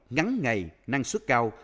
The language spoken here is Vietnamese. ngắn ngày năng suất cao